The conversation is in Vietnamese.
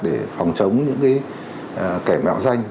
để phòng chống những cái kẻ mạo danh